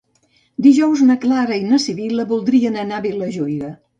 Dijous na Clara i na Sibil·la voldrien anar a Vilajuïga.